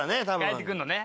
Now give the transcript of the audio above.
帰ってくるのね。